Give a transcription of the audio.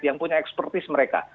yang punya expertise mereka